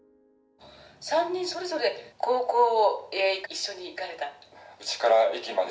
「３人それぞれ高校へ一緒に行かれた？」。